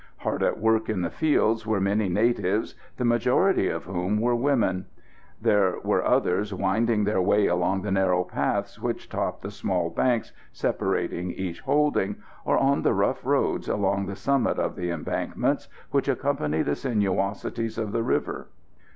Hard at work in the fields were many natives, the majority of whom were women. There were others winding their way along the narrow paths which top the small banks separating each holding, or on the rough roads upon the summit of the embankments which accompany the sinuosities of the river.